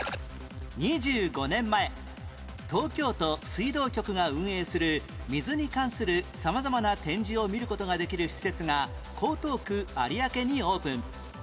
２５年前東京都水道局が運営する水に関する様々な展示を見る事ができる施設が江東区有明にオープン